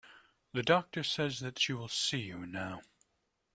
The doctor says that she will see you now.